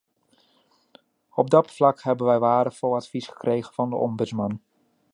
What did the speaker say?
Op dat vlak hebben wij waardevol advies gekregen van de ombudsman.